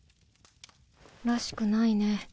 らしくないね。